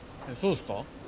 そうっすか？